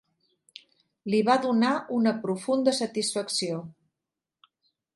Li va donar una profunda satisfacció.